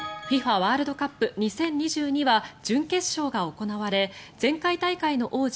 ワールドカップ２０２２は準決勝が行われ前回大会の王者